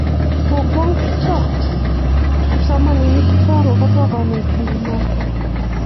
Kokwong'so kipsomaninik chechang' akopo kanetindet notok